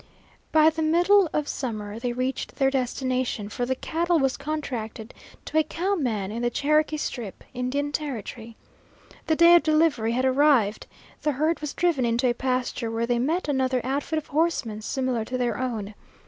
By the middle of summer they reached their destination, for the cattle were contracted to a cowman in the Cherokee Strip, Indian Territory. The day of delivery had arrived. The herd was driven into a pasture where they met another outfit of horsemen similar to their own.